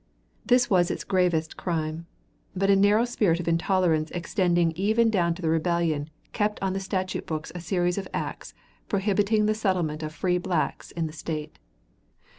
This was its gravest crime. But a narrow spirit of intolerance extending even down to the rebellion kept on the statute books a series of acts prohibiting the settlement of free blacks in the State.